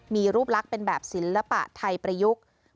มีรูปลักษณ์เป็นแบบศิลปะไทยประยุกต์